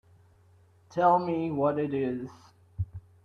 Tell me what it is.